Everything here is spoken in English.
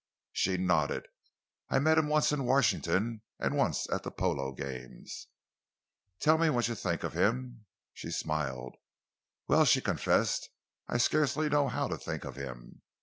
She nodded. "I met him once at Washington and once at the polo games." "Tell me what you think of him?" She smiled. "Well," she confessed, "I scarcely know how to think of him.